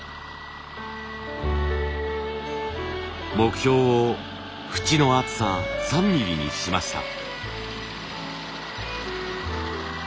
目標を縁の厚さ３ミリにしました。